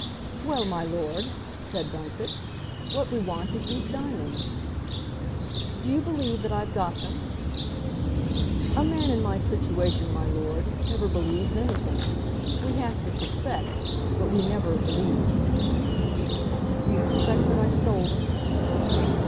"Well, my lord," said Bunfit, "what we want is these diamonds." "Do you believe that I've got them?" "A man in my situation, my lord, never believes anything. We has to suspect, but we never believes." "You suspect that I stole them?"